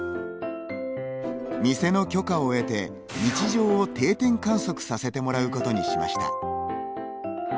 店の許可を得て、日常を定点観測させてもらうことにしました。